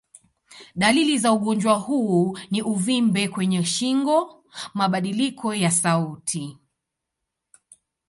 Dalili za ugonjwa huu ni uvimbe kwenye shingo, mabadiliko ya sauti.